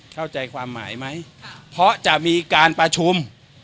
เข้าใจความหมายไหมเพราะจะมีการประชุม